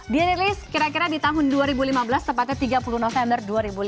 dirilis kira kira di tahun dua ribu lima belas tepatnya tiga puluh november dua ribu lima belas